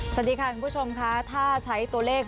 สวัสดีค่ะคุณผู้ชมค่ะถ้าใช้ตัวเลข